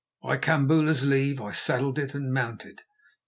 By Kambula's leave I saddled it and mounted.